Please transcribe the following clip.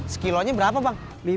sekilonya berapa bang